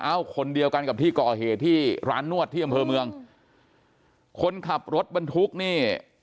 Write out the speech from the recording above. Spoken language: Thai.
คนเดียวกันกับที่ก่อเหตุที่ร้านนวดที่อำเภอเมืองคนขับรถบรรทุกนี่